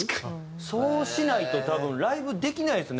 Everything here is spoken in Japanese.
そうしないと多分ライブできないですよね。